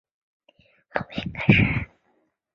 比里阿图。